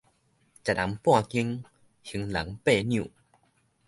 食人半斤，還人八兩